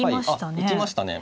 行きましたね。